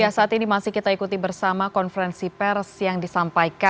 ya saat ini masih kita ikuti bersama konferensi pers yang disampaikan